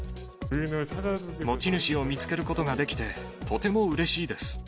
持ち主を見つけることができてとてもうれしいです。